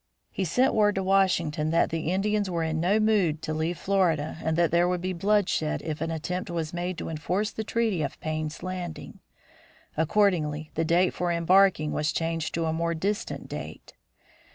He sent word to Washington that the Indians were in no mood to leave Florida and that there would be bloodshed if an attempt was made to enforce the treaty of Payne's Landing. Accordingly, the date for embarking was changed to a more distant date.